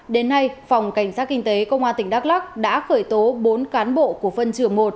đến nay phòng cảnh sát kinh tế công an tỉnh đắk lắc đã khởi tố bốn cán bộ của phân trường một